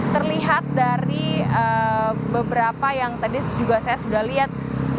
terlihat dari beberapa yang tadi juga saya sudah lihat